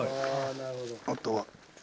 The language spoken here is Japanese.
あとは。